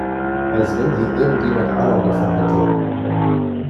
Als wenn hier irgendjemand Ahnung davon hätte!